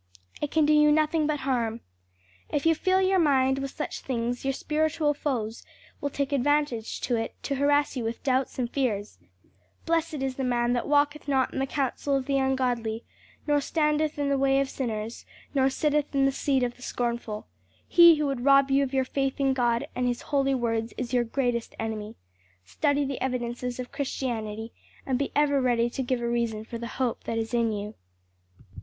It can do you nothing but harm. If you fill your mind with such things your spiritual foes will take advantage of it to harass you with doubts and fears. 'Blessed is the man that walketh not in the counsel of the ungodly, nor standeth in the way of sinners, nor sitteth in the seat of the scornful.' He who would rob you of your faith in God and His holy word is your greatest enemy. Study the evidences of Christianity and be ever ready to give a reason for the hope that is in you."